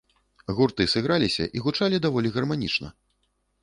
Гурты сыграліся і гучалі даволі гарманічна.